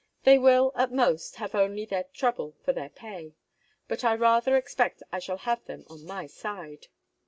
They will, at most, have only their trouble for their pay. But I rather expect I shall have them on my side.